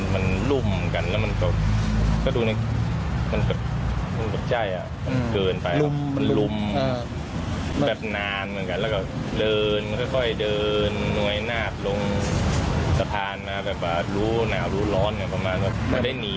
แบบรู้หนาวรู้ร้อนประมาณว่ามันได้หนีมันได้คิดหนีที่นี่